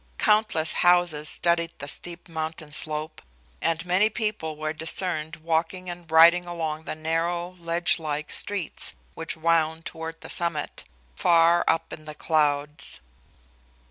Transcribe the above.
Countless houses studded the steep mountain slope, and many people were discerned walking and riding along the narrow, ledge like streets which wound toward the summit, far up in the clouds.